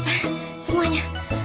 udah siap semuanya